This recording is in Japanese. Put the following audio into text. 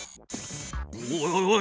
おいおい